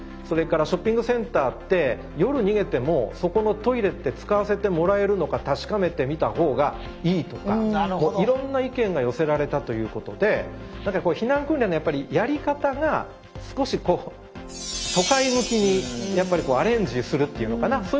それからショッピングセンターって夜逃げてもそこのトイレって使わせてもらえるのか確かめてみた方がいいとかいろんな意見が寄せられたということでだからこう避難訓練のやっぱりやり方が少し都会向きにやっぱりアレンジするっていうのかな